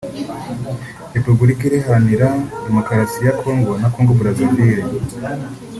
Repubulika Iharanira Demokarasi ya Congo na Congo Brazzaville